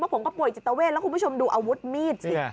ผมก็ป่วยจิตเวทแล้วคุณผู้ชมดูอาวุธมีดสิ